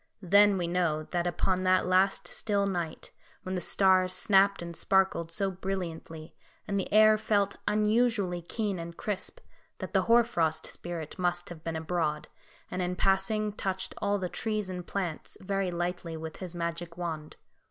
Then we know that upon that last still night, when the stars snapped and sparkled so brilliantly, and the air felt unusually keen and crisp, that the Hoar frost Spirit must have been abroad, and in passing, touched all the trees and plants very lightly with his magic wand.